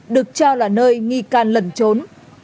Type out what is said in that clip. được cho là nơi nghi can lẩn trốn